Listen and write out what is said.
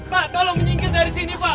pak kalau menyingkir dari sini pak